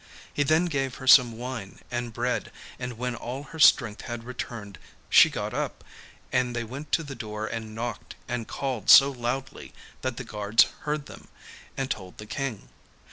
He then gave her some wine and bread, and when all her strength had returned she got up, and they went to the door and knocked and called so loudly that the guards heard them, and told the King.